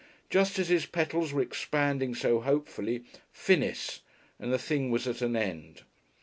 Just as his petals were expanding so hopefully, "Finis," and the thing was at an end.